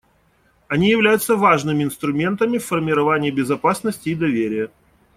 Они являются важными инструментами в формировании безопасности и доверия.